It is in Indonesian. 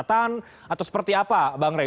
atau seperti apa bang rey